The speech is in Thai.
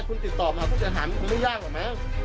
คุณติดต่อมาสูญหาไม่ยากหรอกนะ